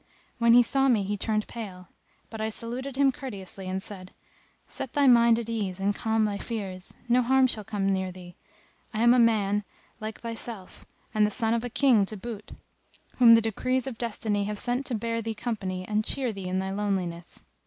When he saw me he turned pale; but I saluted him courteously and said, "Set thy mind at ease and calm thy fears; no harm shall come near thee; I am a man like thyself and the son of a King to boot; whom the decrees of Destiny have sent to bear thee company and cheer thee in thy loneliness.